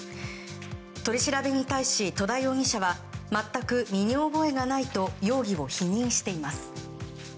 取り調べに対し、戸田容疑者は全く身に覚えがないと容疑を否認しています。